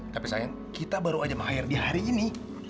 tapi sayang kita baru aja mahir di hari ini